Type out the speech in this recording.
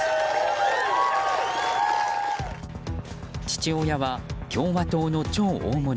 父親は共和党の超大物